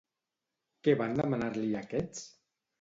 Què van demanar-li aquests?